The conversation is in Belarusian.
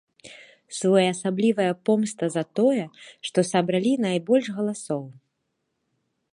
Своеасаблівая помста за тое, што сабралі найбольш галасоў.